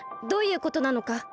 どういうことなのか。